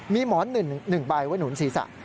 มีหมอน๑ใบไว้หนุนศีรษะ